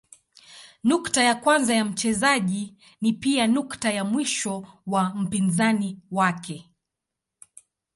Nukta ya kwanza ya mchezaji ni pia nukta ya mwisho wa mpinzani wake.